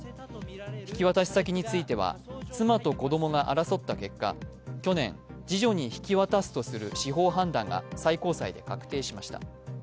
引き渡し先については妻と子供が争った結果、去年、次女に引き渡すとする司法判断が最高裁で確定しました。